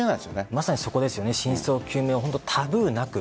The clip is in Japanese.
まさにそこで真相究明をタブーなく